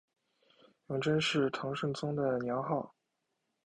永贞是唐顺宗的年号。